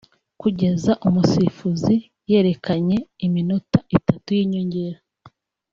Kugeza umusifuzi yerekanye iminota itatu y’inyongera